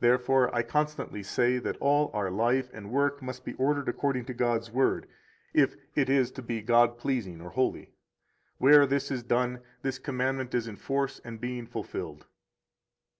92 Therefore I constantly say that all our life and work must be ordered according to God's Word, if it is to be God pleasing or holy. Where this is done, this commandment is in force and being fulfilled.